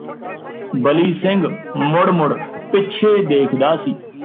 ਬਲੀ ਸਿੰਘ ਮੁੜ ਮੁੜ ਪਿੱਛੇ ਦੇਖਦਾ ਸੀ